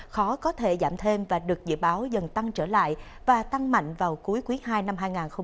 khó có thể giảm thêm và được dự báo dần tăng trở lại và tăng mạnh vào cuối quý ii năm hai nghìn hai mươi